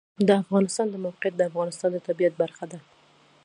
د افغانستان د موقعیت د افغانستان د طبیعت برخه ده.